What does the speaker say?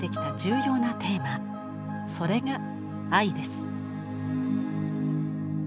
それが「愛」です。